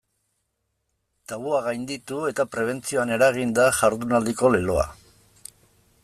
Tabua gainditu eta prebentzioan eragin da jardunaldiko leloa.